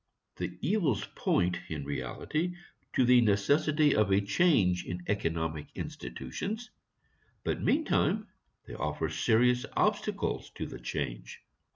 The evils point in reality to the necessity of a change in economic institutions, but meantime they offer serious obstacles to the change.